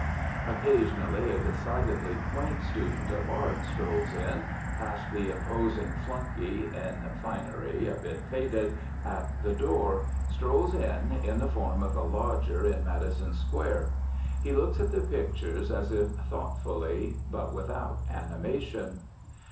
Occasionally a decidedly quaint student of Art strolls in, past the imposing flunky (in finery a bit faded) at the door, strolls in in the form of a lodger in Madison Square. He looks at the pictures as if thoughtfully, but without animation.